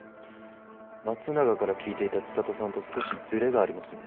松永から聞いていた知里さんと少しズレがありますね。